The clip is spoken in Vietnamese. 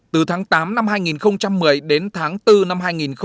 từ tháng tám năm hai nghìn một mươi đến tháng bốn năm hai nghìn một mươi chín